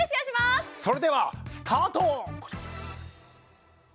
それではスタート！